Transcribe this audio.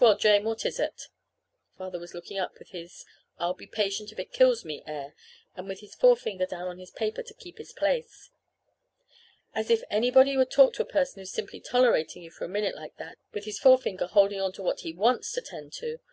Well, Jane, what is it?" Father was looking up with his I'll be patient if it kills me air, and with his forefinger down on his paper to keep his place. As if anybody could talk to a person who's simply tolerating you for a minute like that, with his forefinger holding on to what he wants to tend to!